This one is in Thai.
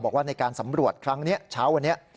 บอกว่าในการสำรวจครั้งนี้เช้าวันนี้